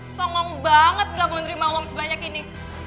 songong banget gak mau menerima uang sebanyak ini